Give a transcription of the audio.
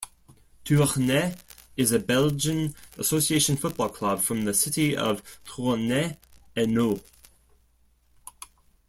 Tournai is a Belgian association football club from the city of Tournai, Hainaut.